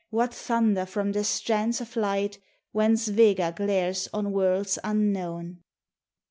What thunder from the strands of light Whence Vega glares on worlds unknown?